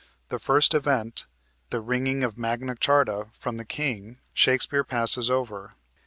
The first event, the wringing of Magna Charta from the king, Shakespeare passes over.